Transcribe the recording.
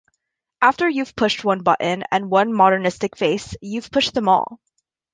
After you've pushed one button and one modernistic face, you've pushed them all.